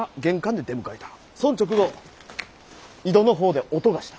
そん直後井戸の方で音がした。